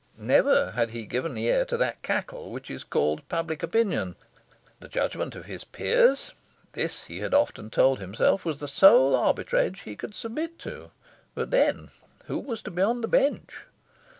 Never had he given ear to that cackle which is called Public Opinion. The judgment of his peers this, he had often told himself, was the sole arbitrage he could submit to; but then, who was to be on the bench?